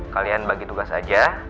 kalian bagi tugas aja